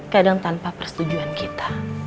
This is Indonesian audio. kadang tanpa persetujuan kita